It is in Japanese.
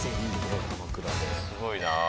すごいなあ。